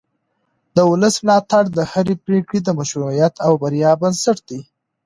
د ولس ملاتړ د هرې پرېکړې د مشروعیت او بریا بنسټ دی